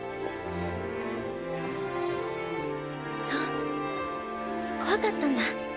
そう怖かったんだ。